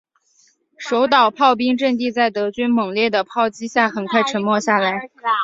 守岛炮兵阵地在德军猛烈的炮击下很快沉默下来。